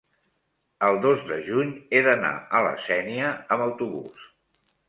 el dos de juny he d'anar a la Sénia amb autobús.